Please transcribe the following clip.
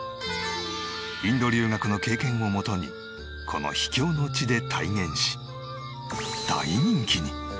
インド留学の経験をもとにこの秘境の地で体現し大人気に。